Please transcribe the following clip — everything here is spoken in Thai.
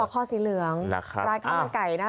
คอสีเหลืองร้านข้าวมันไก่นะ